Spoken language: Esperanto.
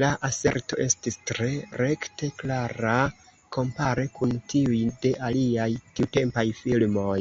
La aserto estis tre rekte klara kompare kun tiuj de aliaj tiutempaj filmoj.